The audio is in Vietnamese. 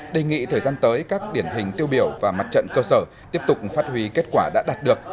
đề nghị thời gian tới các điển hình tiêu biểu và mặt trận cơ sở tiếp tục phát huy kết quả đã đạt được